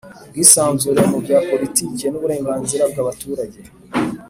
Ubwisanzure mu bya politike n uburenganzira bw abaturage